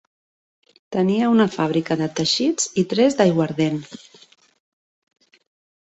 Tenia una fàbrica de teixits i tres d'aiguardent.